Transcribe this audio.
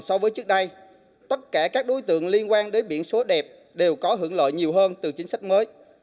so với trước đây tất cả các đối tượng liên quan đến biển số đẹp đều có hưởng lợi nhiều hơn từ chính sách mới